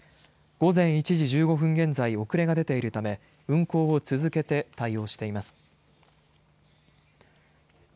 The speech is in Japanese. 午前１時１５分現在遅れが出ているため運行を続けて対応しています。